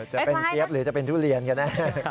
จะเป็นเจี๊ยบหรือจะเป็นทุเรียนกันแน่